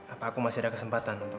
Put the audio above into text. apa aku masih ada kesempatan untuk